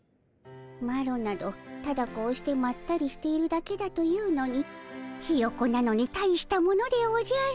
マロなどただこうしてまったりしているだけだというのにヒヨコなのに大したものでおじゃる。